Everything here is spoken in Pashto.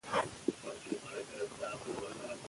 ازادي راډیو د تعلیم لپاره د مرستو پروګرامونه معرفي کړي.